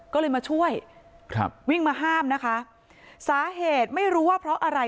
ก็เลยมาช่วยครับวิ่งมาห้ามนะคะสาเหตุไม่รู้ว่าเพราะอะไร